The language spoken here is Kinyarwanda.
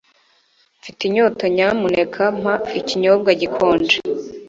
Mfite inyota Nyamuneka mpa ikinyobwa gikonje